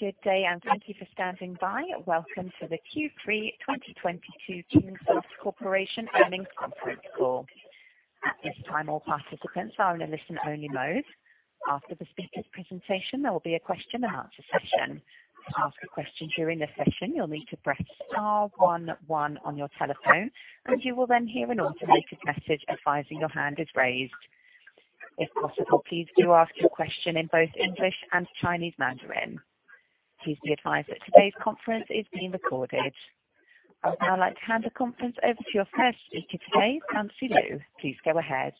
Good day, and thank you for standing by. Welcome to the Q3 2022 Kingsoft Corporation earnings conference call. At this time, all participants are in a listen only mode. After the speaker presentation, there will be a question and answer session. To ask a question during the session, you'll need to press star one one on your telephone, and you will then hear an automated message advising your hand is raised. If possible, please do ask your question in both English and Chinese Mandarin. Please be advised that today's conference is being recorded. I would now like to hand the conference over to your first speaker today, Francie Lu. Please go ahead.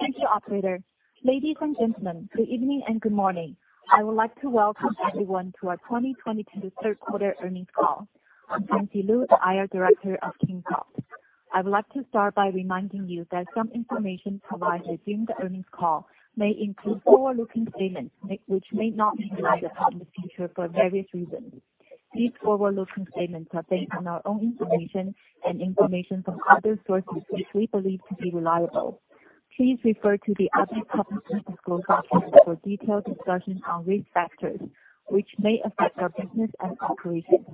Thank you, operator. Ladies and gentlemen, good evening and good morning. I would like to welcome everyone to our 2022 third quarter earnings call. I'm Francie Lu, the IR director of Kingsoft. I would like to start by reminding you that some information provided during the earnings call may include forward-looking statements which may not be realized in the future for various reasons. These forward-looking statements are based on our own information and information from other sources, which we believe to be reliable. Please refer to the other public disclosure for detailed discussion on risk factors which may affect our business and operations.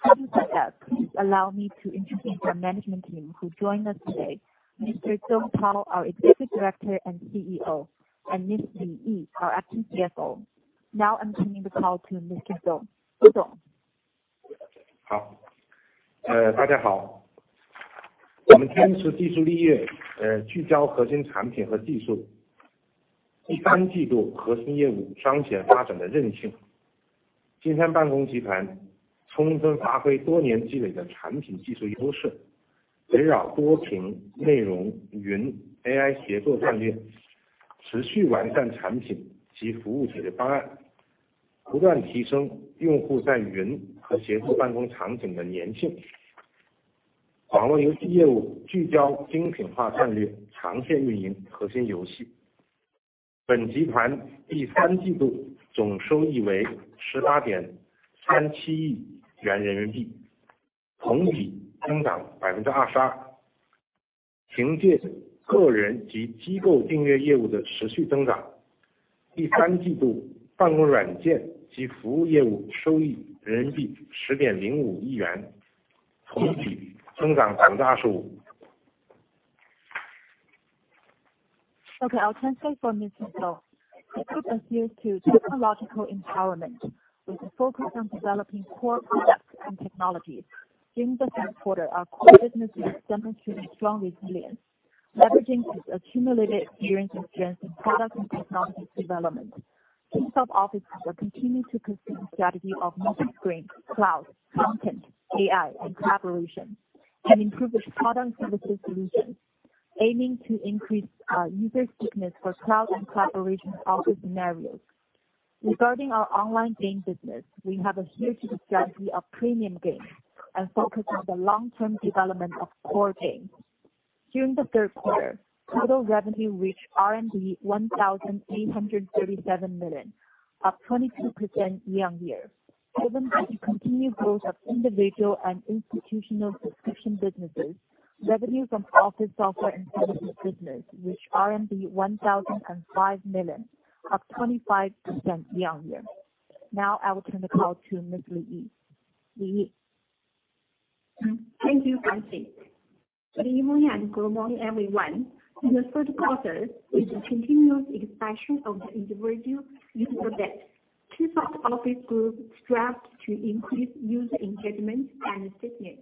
Having said that, please allow me to introduce our management team who join us today. Mr. Tao Zou, our Executive Director and CEO, and Ms. Yi Li, our acting CFO. Now I'm turning the call to Mr. Tao Zou. Okay. I'll translate for Mr. Tao Zou. The group adheres to technological empowerment with a focus on developing core products and technologies. During the third quarter, our core businesses demonstrated strong resilience, leveraging its accumulated experience and strength in product and technology development. Kingsoft Office will continue to pursue the strategy of multi-screen, cloud, content, AI, and collaboration, and improve its product and services solutions, aiming to increase user stickiness for cloud and collaboration office scenarios. Regarding our online game business, we have adhered to the strategy of premium games and focus on the long-term development of core games. During the third quarter, total revenue reached 1,837 million, up 22% year-on-year. Driven by the continued growth of individual and institutional subscription businesses, revenues from office software and services business reached RMB 1,005 million, up 25% year-on-year. Now I will turn the call to Ms. Yi Li. Thank you, Francie Lu. Yi Li here. Good morning, everyone. In the third quarter, with the continuous expansion of the individual user base, Kingsoft Office Group strives to increase user engagement and stickiness,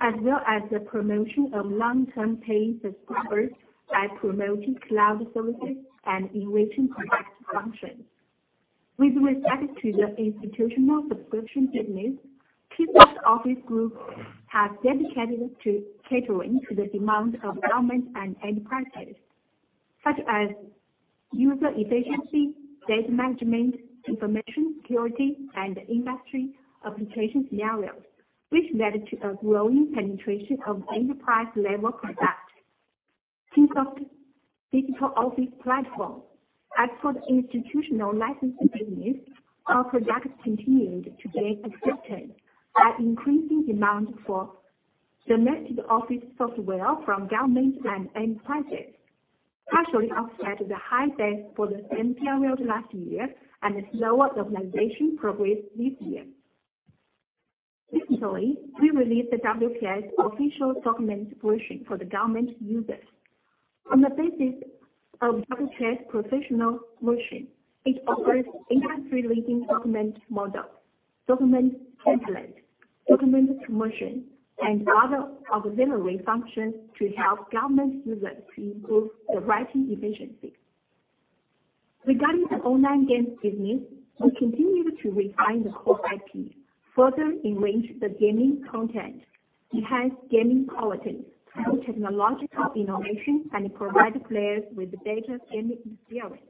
as well as the promotion of long-term paying subscribers by promoting cloud services and enriching product functions. With respect to the institutional subscription business, Kingsoft Office Group has dedicated to catering to the demand of government and enterprises, such as user efficiency, data management, information security, and industry application scenarios, which led to a growing penetration of enterprise level products. Kingsoft Digital Office Platform. As for the institutional licensing business, our products continued to gain acceptance by increasing demand for domestic office software from government and enterprises, partially offset the high base for the same period last year and a slower organization progress this year. Recently, we released the WPS Official Document Version for the government users. On the basis of WPS Office Professional, it offers industry-leading document models, document templates, document promotion, and other auxiliary functions to help government users to improve the writing efficiency. Regarding the online games business, we continue to refine the core IP, further enrich the gaming content, enhance gaming quality through technological innovation, and provide players with better gaming experience.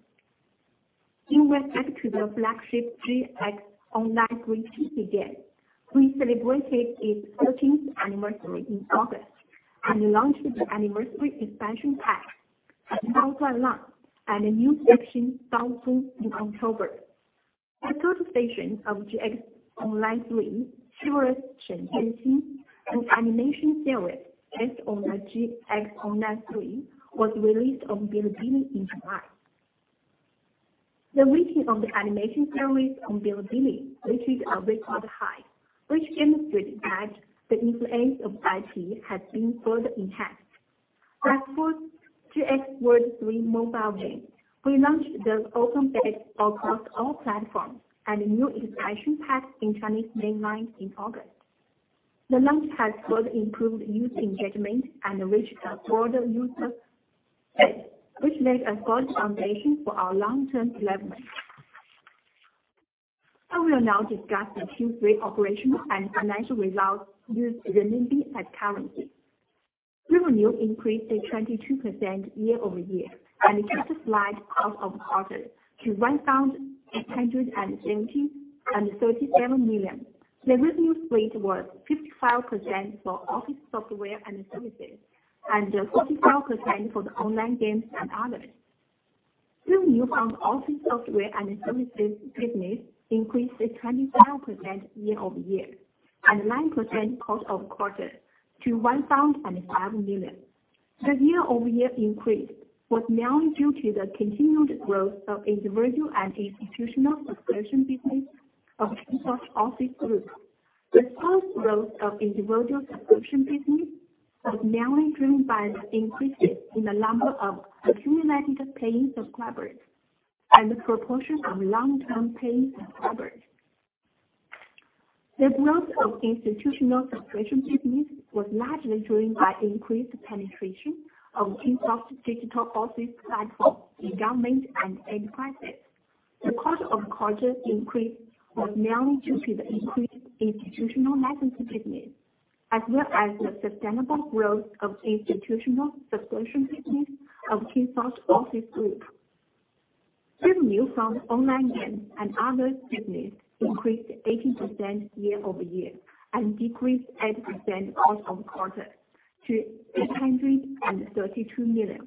In respect to the flagship JX Online 3 PC game, we celebrated its 13th anniversary in August and launched the anniversary expansion pack in October. The third season of JX Online 3, Heroes Shen Jianxin, an animation series based on JX Online 3, was released on Bilibili in July. The rating on the animation series on Bilibili reached a record high, which demonstrated that the influence of IP has been further enhanced. As for JX World 3 mobile game, we launched the open beta across all platforms and a new expansion pack in Chinese mainland in August. The launch has further improved user engagement and reached a broader user base, which laid a solid foundation for our long-term development. I will now discuss the Q3 operational and financial results using renminbi as currency. Revenue increased by 22% year-over-year and just slightly quarter-over-quarter to 1,837 million. The revenue rate was 55% for office software and services, and 47% for the online games and others. Revenue from office software and services business increased by 27% year-over-year, and 9% quarter-over-quarter to 1,005 million. The year-over-year increase was mainly due to the continued growth of individual and institutional subscription business of Kingsoft Office Group. The strong growth of individual subscription business was mainly driven by the increase in the number of accumulated paying subscribers and the proportion of long-term paying subscribers. The growth of institutional subscription business was largely driven by increased penetration of Kingsoft's digital office platform in government and enterprises. The cost increase quarter-over-quarter was mainly due to the increased institutional licensing business, as well as the sustainable growth of institutional subscription business of Kingsoft Office Group. Revenue from online games and others business increased 18% year-over-year and decreased 8% quarter-over-quarter to 832 million.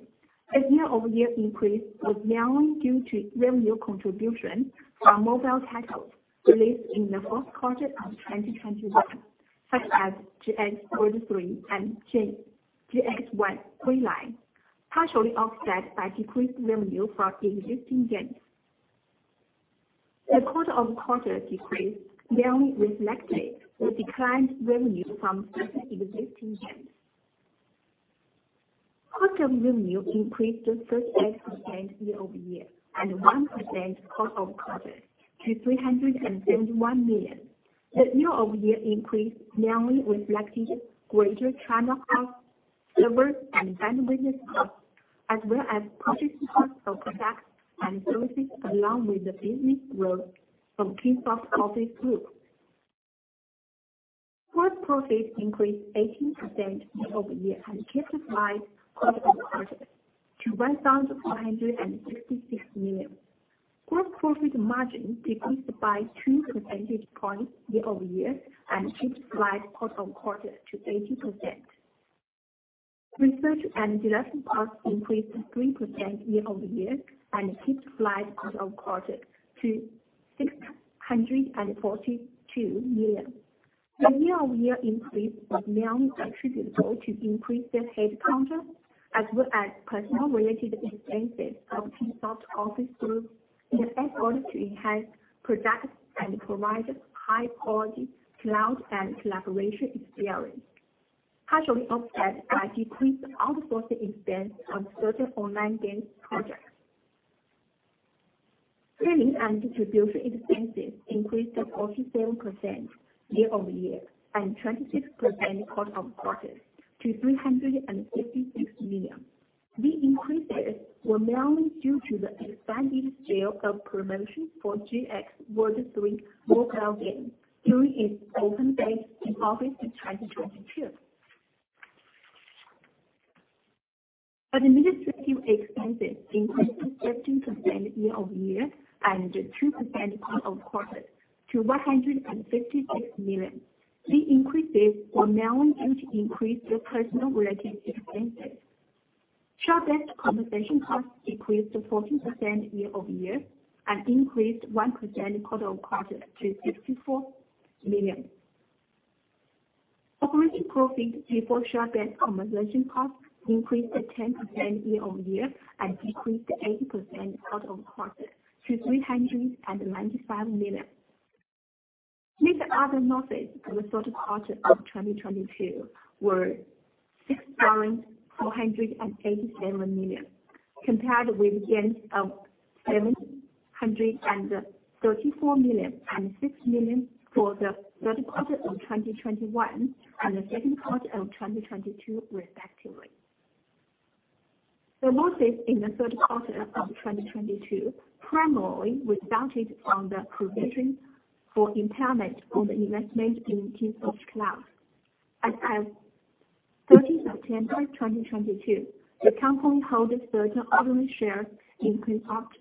The year-over-year increase was mainly due to revenue contribution from mobile titles released in the fourth quarter of 2021, such as JX World 3 and JX Online 1: Return, partially offset by decreased revenue from the existing games. The quarter-over-quarter decrease mainly reflected the declined revenue from certain existing games. Cost of revenue increased to 38% year-over-year and 1% quarter-over-quarter to CNY 371 million. The year-over-year increase mainly reflected greater channel costs, servers and bandwidth costs, as well as purchase costs of products and services along with the business growth from Kingsoft Office Group. Gross profit increased 18% year-over-year and slightly quarter-over-quarter to 1,466 million. Gross profit margin decreased by two percentage points year-over-year and slightly quarter-over-quarter to 80%. Research and development costs increased 3% year-over-year and slightly quarter-over-quarter to 642 million. The year-over-year increase was mainly attributable to increased the head count, as well as personnel-related expenses of Kingsoft Office in order to enhance products and provide high quality cloud and collaboration experience, partially offset by decreased outsourcing expense on certain online games projects. Selling and distribution expenses increased 47% year-over-year and 26% quarter-over-quarter to 356 million. The increases were mainly due to the expanded scale of promotion for JX World 3 mobile game during its open beta in August 2022. Administrative expenses increased 15% year-over-year and 2% quarter-over-quarter to CNY 156 million. The increases were mainly due to increased the personnel-related expenses. Share-based compensation cost decreased 14% year-over-year and increased 1% quarter-over-quarter to 64 million. Operating profit before share-based compensation costs increased 10% year-over-year and decreased 8% quarter-on-quarter to 395 million. Net other losses for the third quarter of 2022 were 6,487 million, compared with gains of 734 million and 6 million for the third quarter of 2021 and the second quarter of 2022 respectively. The losses in the third quarter of 2022 primarily resulted from the provision for impairment on the investment in Kingsoft Cloud. As of 30 September 2022, the company held certain ordinary shares in Kingsoft,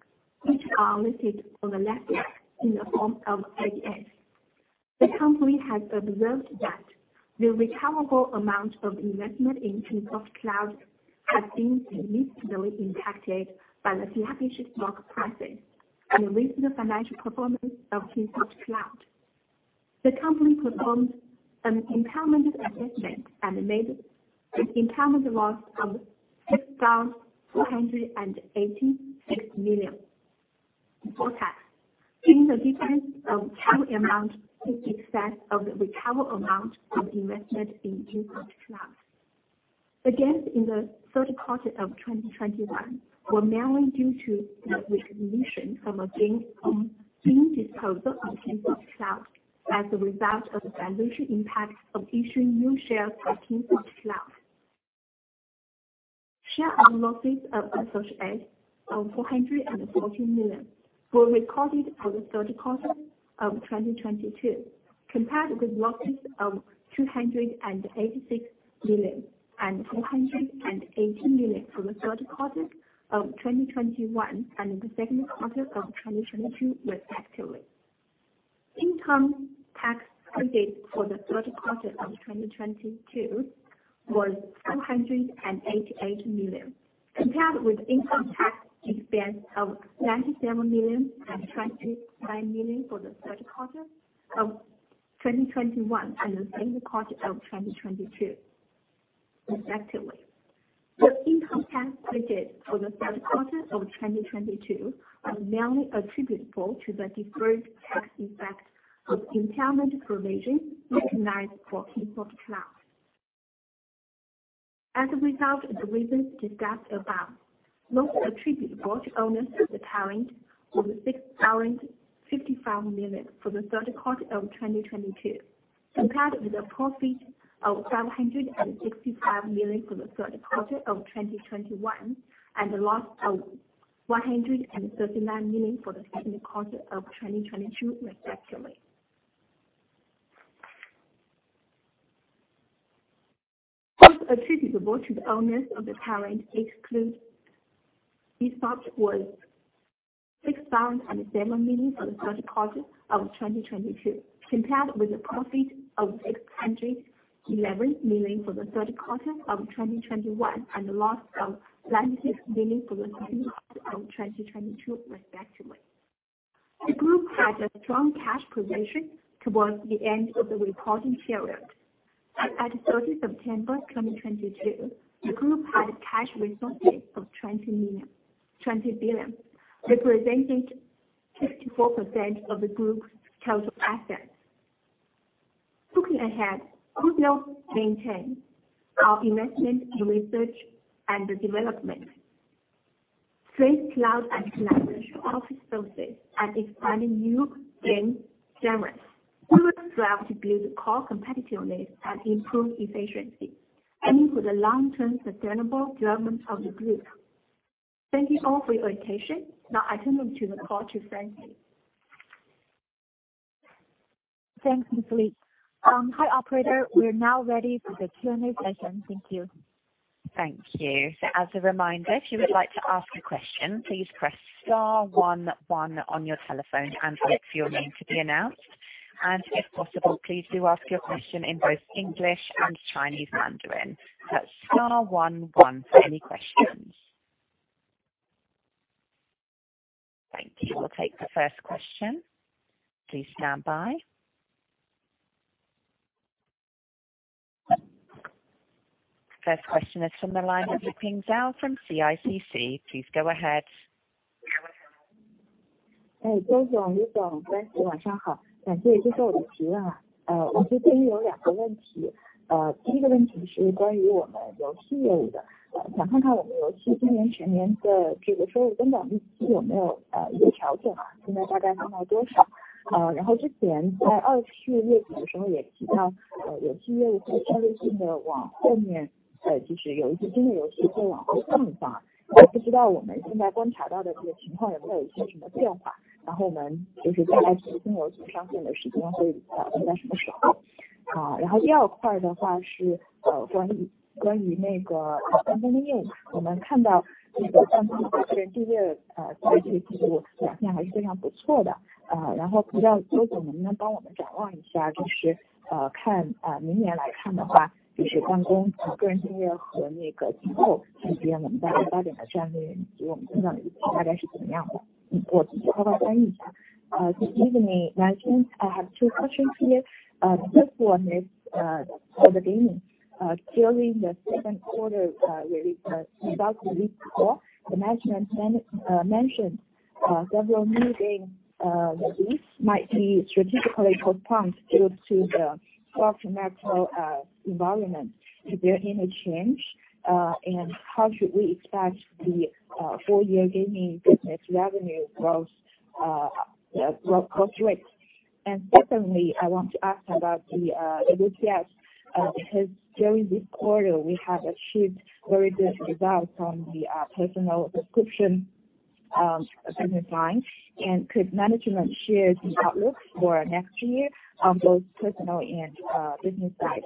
which are unlisted on the NASDAQ in the form of ADS. The company has observed that the recoverable amount of investment in Kingsoft Cloud has been significantly impacted by the stock price and the recent financial performance of Kingsoft Cloud. The company performed an impairment assessment and made an impairment loss of RMB 6,486 million before tax in the difference of carrying amount in excess of the recoverable amount of investment in Kingsoft Cloud. Again, in the third quarter of 2021 were mainly due to the recognition from a gain from game disposal of Kingsoft Cloud as a result of the dilution impact of issuing new shares for Kingsoft Cloud. Share of losses of associate of 414 million were recorded for the third quarter of 2022, compared with losses of 286 million and 480 million for the third quarter of 2021 and the second quarter of 2022, respectively. Income tax credit for the third quarter of 2022 was 288 million, compared with income tax expense of 97 million and 29 million for the third quarter of 2021 and the same quarter of 2022, respectively. The income tax credit for the third quarter of 2022 are mainly attributable to the deferred tax effect of impairment provision recognized for Kingsoft Cloud. As a result of the reasons discussed above, most attributable to owners of the parent of the 6,055 million for the third quarter of 2022, compared with a profit of 565 million for the third quarter of 2021, and the loss of 139 million for the second quarter of 2022, respectively. Profit attributable to the owners of the parent exclude these parts was RMB 6,007 million for the third quarter of 2022, compared with a profit of 611 million for the third quarter of 2021, and the loss of 90 million for the second quarter of 2022, respectively. The group has a strong cash position towards the end of the reporting period. At 30 September 2022, the group had cash resources of 20 billion, representing 54% of the group's total assets. Looking ahead, we will maintain our investment in research and development, strengthen cloud and commercial office services, and expanding new game genres. We will strive to build core competitiveness and improve efficiency, aiming for the long-term sustainable development of the group. Thank you all for your attention. Now I turn the call over to Francie. Thanks, Ms. Yi Li. Hi, operator. We're now ready for the Q&A session. Thank you. Thank you. As a reminder, if you would like to ask a question, please press star one one on your telephone and wait for your name to be announced. If possible, please do ask your question in both English and Chinese Mandarin. Star one one for any questions. Thank you. We'll take the first question. Please stand by. First question is from the line of Xiaodan Zhang from CICC. Please go ahead. Good evening. I have two questions here. The first one is for the gaming. During the second quarter results release call, the management mentioned several new game release might be strategically postponed due to the macro environment. Is there any change? How should we expect the full year gaming business revenue growth rate? Secondly, I want to ask about the WPS because during this quarter, we have achieved very good results on the personal subscription business line. Could management share the outlook for next year on both personal and business side?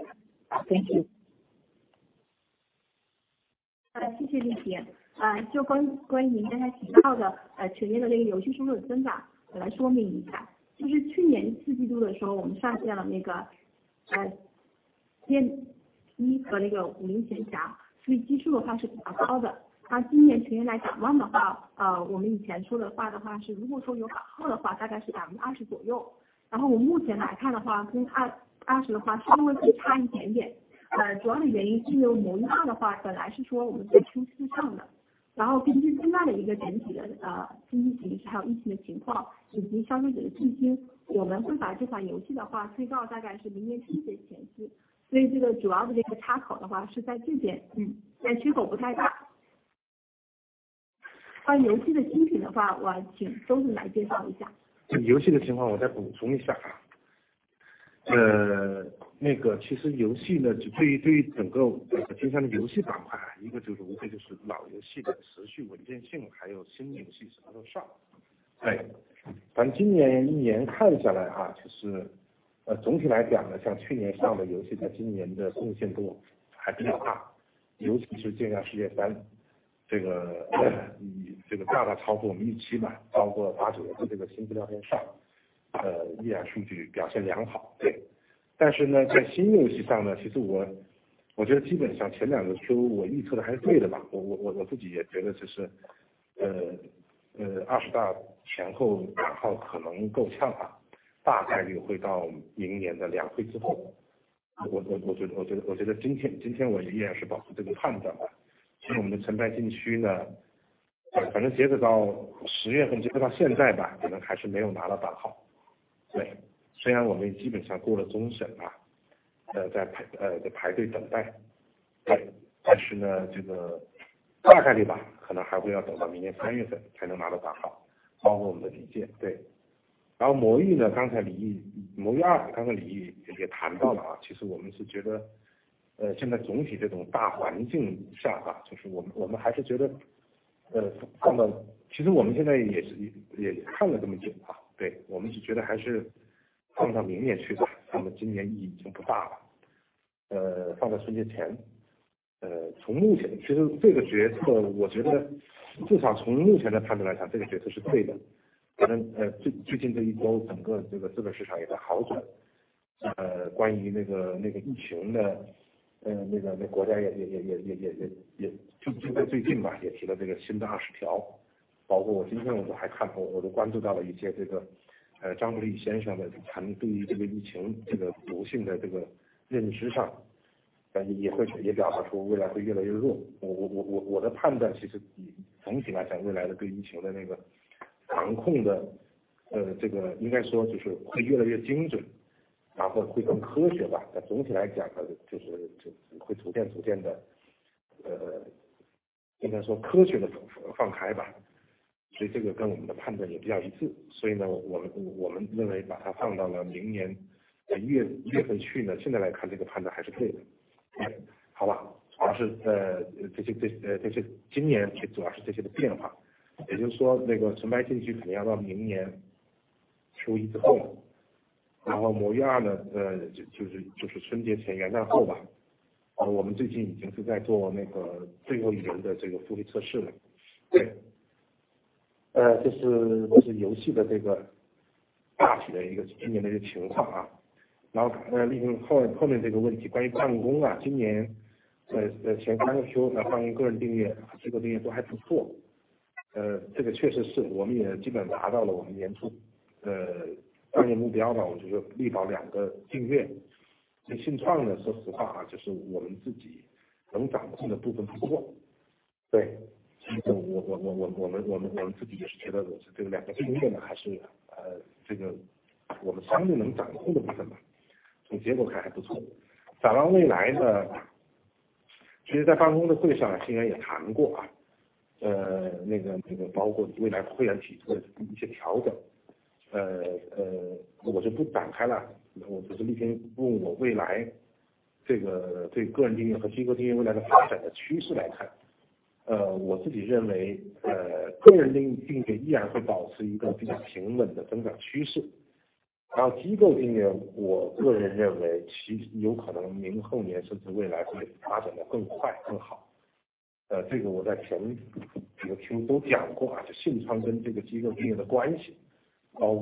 Okay.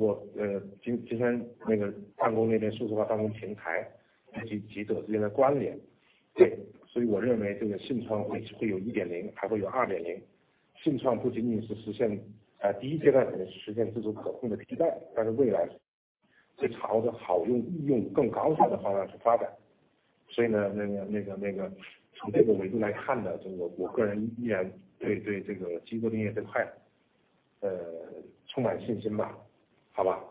I'll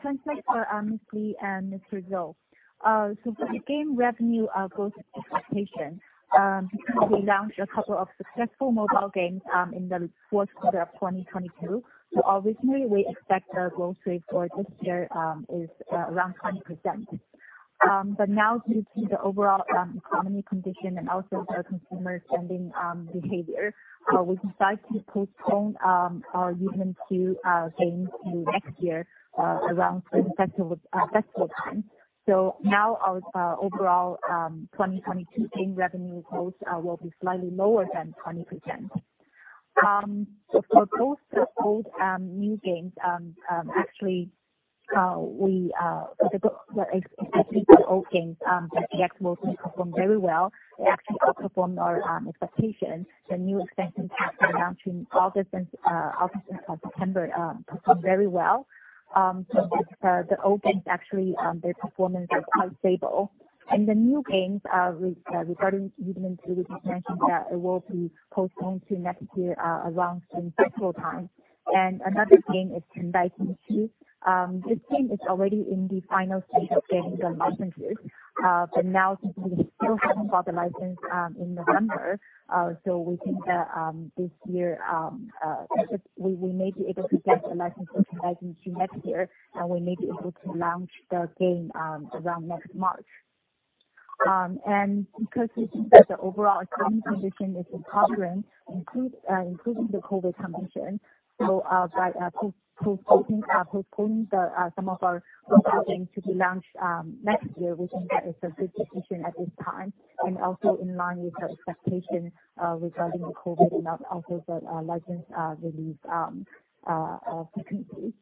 translate for Ms. Li and Mr. Zou. For the game revenue growth expectation. We launched a couple of successful mobile games in the fourth quarter of 2022. Originally we expect the growth rate for this year is around 20%. But now due to the overall economy condition and also our consumer spending behavior, we decide to postpone our event to our game to next year around the festival time. Now our overall 2022 game revenue growth will be slightly lower than 20%. For both the old, new games, actually, we, for the old games, that actually mostly performed very well, they actually outperformed our expectations. The new expansion packs are launching all since September performed very well. The old games actually, their performance are quite stable. The new games, regarding even including mentioned that it will be postponed to next year, around in festival time. Another game is Chenbai Jinqu. This game is already in the final stage of getting the licenses, but now we still haven't got the license in November. We think that this year we may be able to get the license in Q1 next year, and we may be able to launch the game around next March. Because we think that the overall economic condition is recovering, including the COVID condition, by postponing some of our new games to be launched next year, we think that is a good decision at this time, and also in line with the expectation regarding the COVID and also the license release frequencies.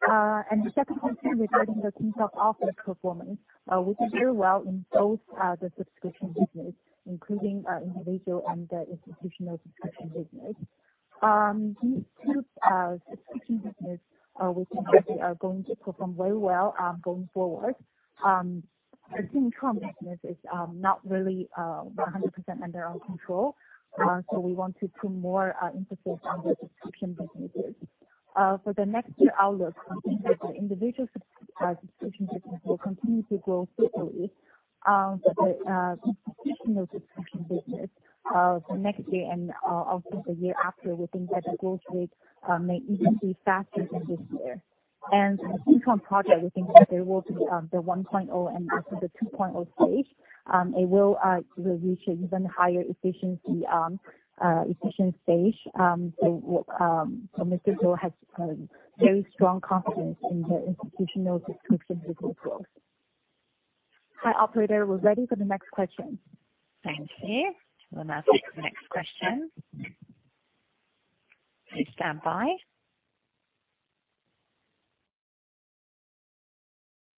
The second question regarding the Kingsoft Office performance, we did very well in both the subscription business, including individual and the institutional subscription business. These two subscription business we think that they are going to perform very well going forward. Our in-app business is not really 100% under our control, so we want to put more emphasis on the subscription businesses. For the next year outlook, we think that the individual subscription business will continue to grow steadily. The institutional subscription business for next year and also the year after, we think that the growth rate may even be faster than this year. Xinchuang project, we think that there will be the 1.0 and also the 2.0 stage, it will reach an even higher efficiency stage. So Mr. Zou has very strong confidence in the institutional subscription business growth. Hi, operator, we're ready for the next question. Thank you. We'll now take the next question. Please stand by.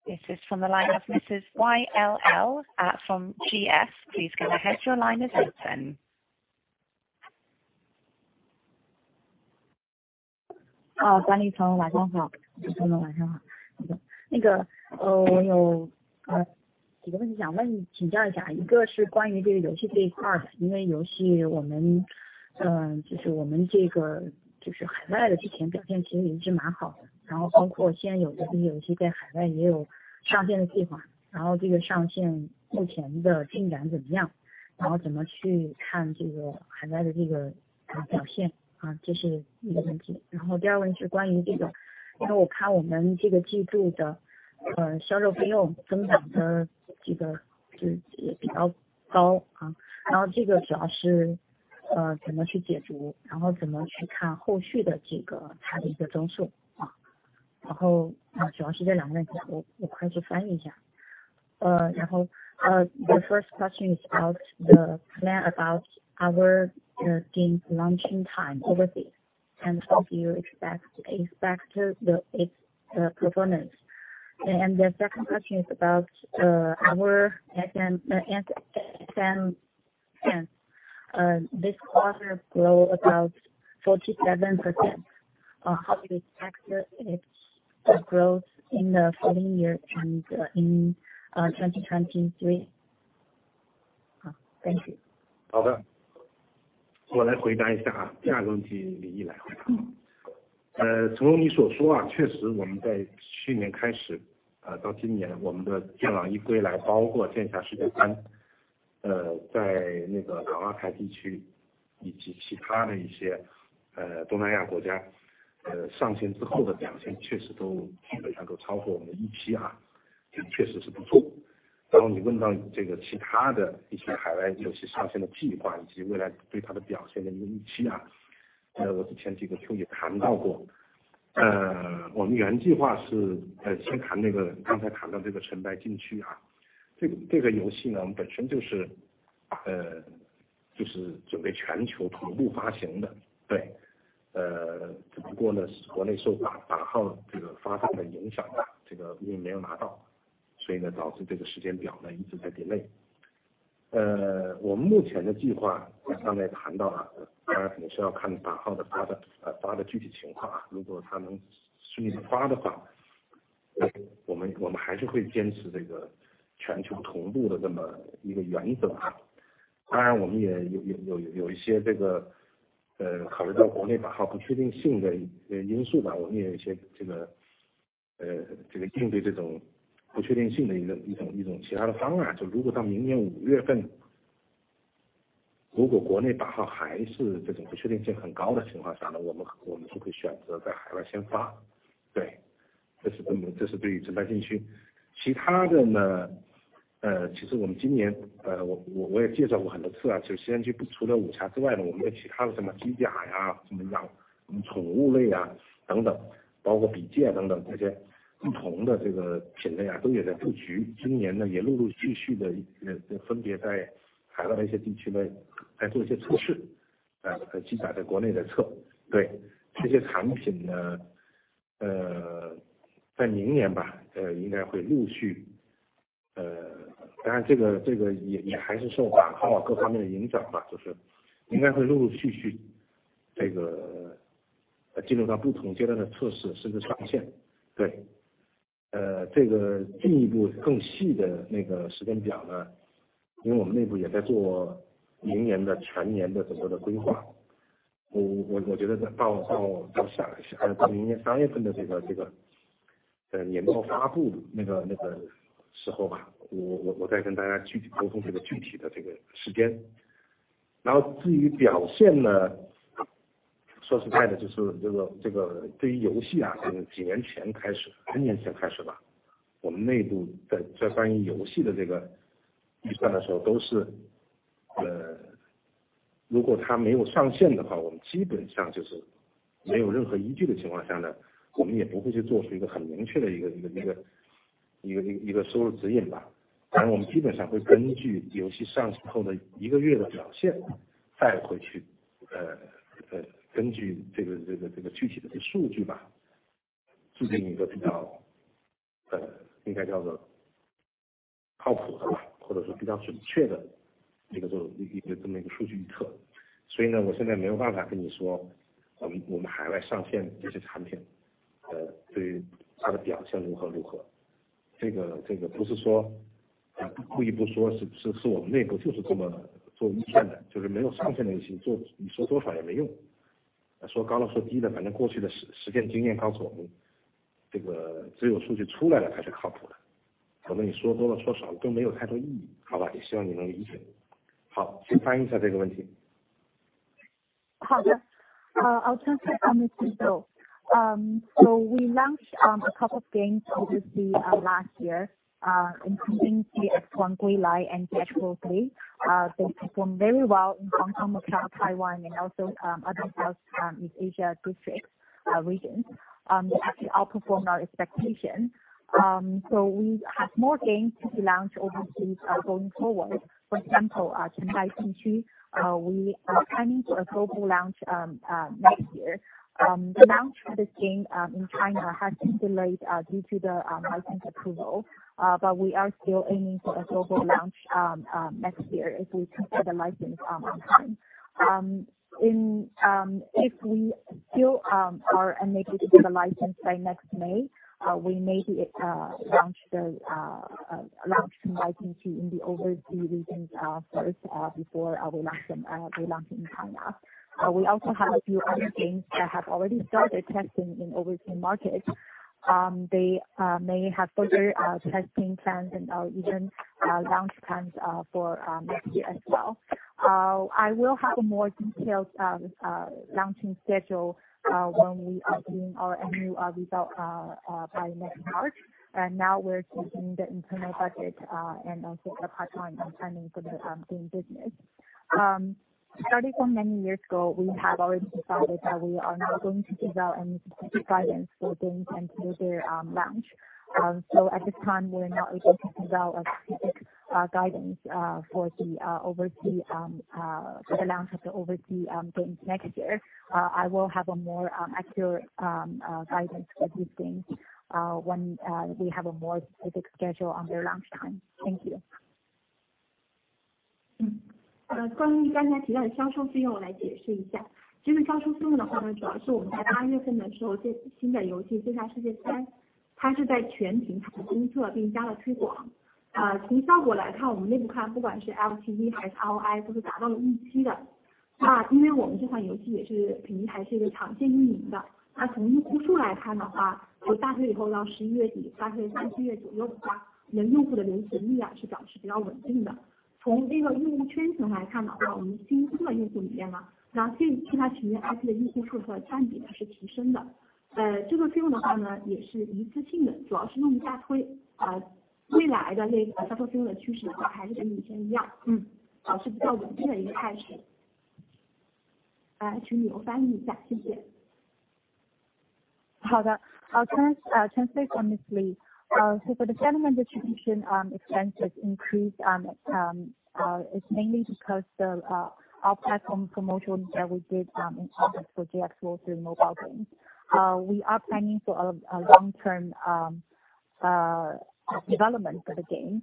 This is from the line of Mrs. YLL from GS. Please go ahead. Your line is open. The first question is about the plan about our game launching time overseas, and how do you expect its performance. The second question is about our S&D this quarter grow about 47%, how do you expect its growth in the following year and in 2023. 好, thank you. 好的，我来回答一下啊，第二个问题你先来回答。从你所说啊，确实我们在去年开始，到今年我们的剑网1：归来，包括剑侠世界3，在那个南亚太地区以及其他的一些东南亚国家，上线之后的表现确实都基本上都超过我们的EP啊，这确实是不错。然后你问到这个其他的一些海外游戏上线的计划，以及未来对它的表现的预期啊，这个我之前几个Q也谈到过，我们原计划是，先谈那个刚才谈到这个尘白禁区啊，这个游戏呢，我们本身就是准备全球同步发行的。对，只不过呢，国内受版号这个发放的影响啊，因为没有拿到，所以呢，导致这个时间表呢，一直在delay。我们目前的计划，我上面谈到了，当然可能是要看版号的发的具体情况啊，如果它能顺利发的话，我们还是会坚持这个全球同步的这么一个原则啊。当然我们也有一些这个，考虑到国内版号不确定性的因素吧，我们也有一些这个，应对这种不确定性的一种其他的方案，就是如果到明年五月份，如果国内版号还是这种不确定性很高的情况下，那我们就会选择在海外先发。对，这是我们，这是对于尘白禁区。其他的呢，其实我们今年，我也介绍过很多次啊，就是除了武侠之外呢，我们有其他的什么机甲呀，什么宠物类啊等等，包括笔戒等等这些不同的这个品类啊都有在布局。今年呢也陆陆续续地，分别在海外的一些地区呢来做一些测试，啊，其主要在国内在测。对，这些产品呢，在明年吧，应该会陆续，当然这个也还是受到各方面的影响吧，就是应该会陆陆续续这个，进行到不同阶段的测试甚至上线，对。这个进一步更细的那个时间表呢，因为我们内部也在做明年的全年的整个的规划，我觉得到明年三月份的这个年报发布那个时候吧，我再跟大家具体沟通这个具体的这个时间。然后至于表现呢，说实在的就是这个，对于游戏啊，从几年前开始，N年前开始吧，我们内部在关于游戏的这个预算的时候都是，如果它没有上线的话，我们基本上就是没有任何依据的情况下呢，我们也不会去做出一个很明确的一个收入指引吧。当然我们基本上会根据游戏上线后的一个月的表现再回去，根据这个具体的数据吧，制定一个比较，应该叫做靠谱的吧，或者说比较准确的一个数据预测。所以呢，我现在没有办法跟你说我们海外上线这些产品，对于它的表现如何如何，这个不是说故意不说，是我们内部就是这么做预判的，就是没有上线的游戏，你说多少也没用，说高了说低的，反正过去的实践经验告诉我们，这个只有数据出来了才是靠谱的，可能你说多了说少都没有太多意义。好吧，也希望你能理解。好，请翻译一下这个问题。好的, I'll translate for Tao Zou. We launched a couple of games last year, including 剑网1：归来 and JX World 3. They perform very well in Hong Kong, Macau, Taiwan and also other Southeast Asia districts, regions. They actually outperformed our expectation. We have more games to be launched overseas going forward. For example, 成长世纪, we are planning for a global launch next year. The launch for this game in China has been delayed due to the license approval, but we are still aiming for a global launch next year if we can get the license on time. In, if we still are unable to get the license by next May, we may be launch 成长世纪 in the overseas regions first, before we launch in China. We also have a few other games that have already started testing in overseas markets. They may have further testing plans and even launch plans for next year as well. I will have a more detailed launching schedule when we are doing our annual result by next March, and now we're keeping the internal budget and also the pipeline and planning for the game business. Starting from many years ago, we have already decided that we are not going to give out any specific guidance for games until their launch. At this time, we are not able to give out a specific guidance for the launch of the overseas games next year. I will have a more accurate guidance for these games when we have a more specific schedule on their launch time. Thank you. Okay, I'll translate for Ms. Yi Li. For the selling and distribution expenses increased, it's mainly because of our platform promotions that we did in August for JX World 3 mobile games. We are planning for a long term development for the game,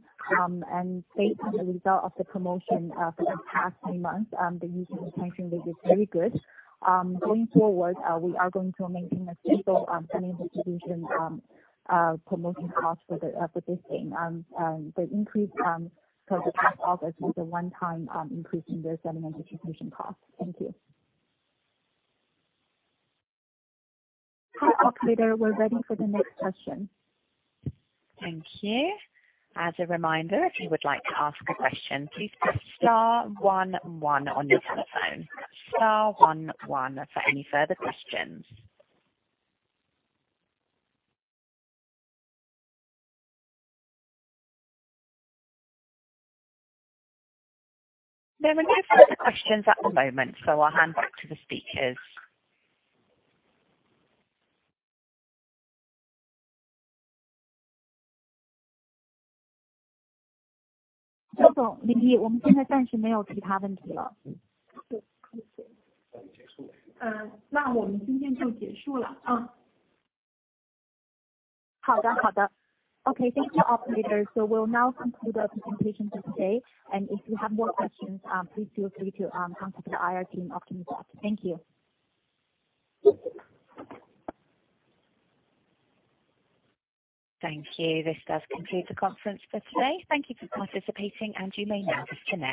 and based on the result of the promotion for the past three months, the user retention rate is very good. Going forward, we are going to maintain a stable selling and distribution promotion cost for this game. The increase in August was a one-time increase in their selling and distribution cost. Thank you. Operator, we're ready for the next question. Thank you. As a reminder, if you would like to ask a question, please press star one one on your telephone. Star one one for any further questions. There are no further questions at the moment, so I'll hand back to the speakers. 周总、李丽，我们现在暂时没有其他问题了。好，谢谢。结束了。那我们今天就结束了啊。好的，好的. Okay, thank you operator. We'll now conclude the presentation today. If you have more questions, please feel free to contact the IR team afterwards. Thank you. Thank you. This does conclude the conference for today. Thank you for participating and you may now disconnect.